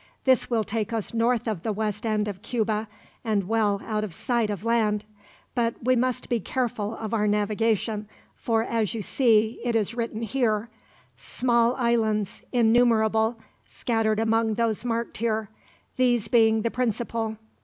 This will take us north of the west end of Cuba, and well out of sight of land; but we must be careful of our navigation, for as you see it is written here: "'Small islands, innumerable, scattered among those marked here; these being the principal.